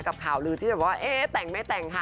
ข่าวลือที่แบบว่าเอ๊ะแต่งไม่แต่งค่ะ